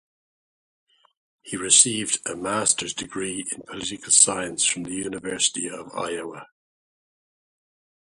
He received a master's degree in political science from the University of Iowa.